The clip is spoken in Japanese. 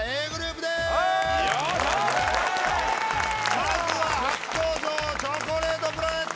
まずは初登場チョコレートプラネット。